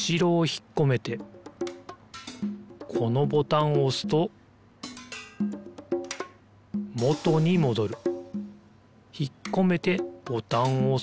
ひっこめてボタンをおすともとにもどる。